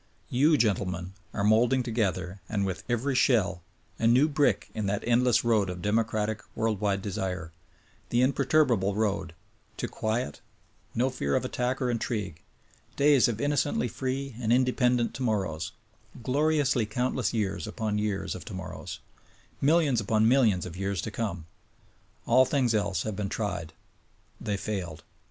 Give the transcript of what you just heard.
You, gentlemen, are moulding together, and with every shell, a new brick in that endless road of democratic, world wide desire : Th imperturbable road to quiet, no fear of attack or intrigue, days of innocently free and independent tomorrows ; gloriously countless years upon years of tomorrows : Millions upon millions of years to come. All things else have been tried. They failed.